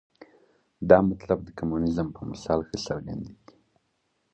دا مطلب د کمونیزم په مثال ښه څرګندېږي.